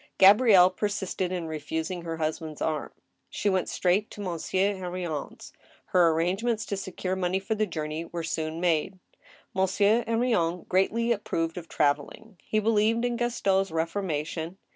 Gabrielle persisted in refusing her husband's arm. She went straight to Monsieur Henrion's. Her arrangements to secure money for the journey were soon made. Monsieur Henrion greatly approved of traveling. He believed in Gaston's reformation.